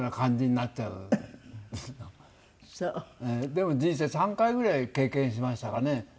でも人生３回ぐらい経験しましたかね。